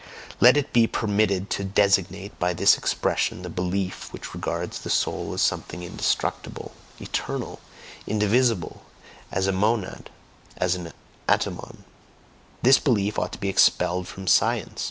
Let it be permitted to designate by this expression the belief which regards the soul as something indestructible, eternal, indivisible, as a monad, as an atomon: this belief ought to be expelled from science!